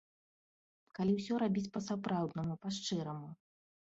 Калі ўсё рабіць па-сапраўднаму, па шчыраму.